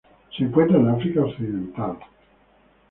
Se encuentra en: África Occidental.